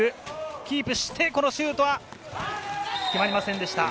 キープして、このシュートは決まりませんでした。